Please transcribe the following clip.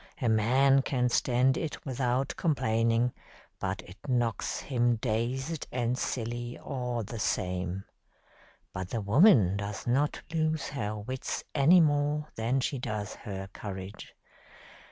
A man can stand it without complaining, but it knocks him dazed and silly all the same. But the woman does not lose her wits any more than she does her courage.